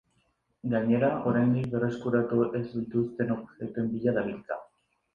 Gainera, oraindik berreskuratu ez dituzten objektuen bila dabiltza.